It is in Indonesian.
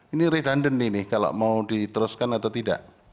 ini redundant ini kalau mau diteruskan atau tidak